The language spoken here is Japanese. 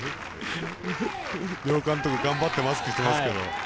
両監督、頑張ってマスクしてますけど。